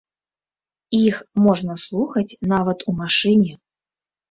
Іх можна слухаць нават у машыне.